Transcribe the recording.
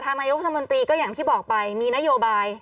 ตรฐานมัยธรรมดีก็อย่างที่บอกไปมีนโยบาย